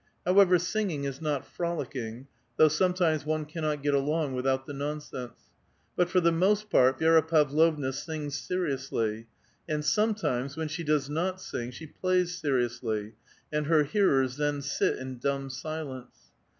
However, singing is not frolicking, though sometimes one cannot get along with out the nonsense. But for the most part, Vi^ra Pavlovna sings seriously ; and sometimes, wlu'n she does not sing, she l)liiys seriously, and hor hearers then sit in dumb silence.